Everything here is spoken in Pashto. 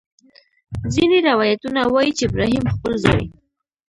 ځینې روایتونه وایي چې ابراهیم خپل زوی.